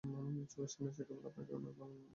চোখের সামনে সে কেবলই আপনার গ্রামের নানা ছবি দেখিতেছে।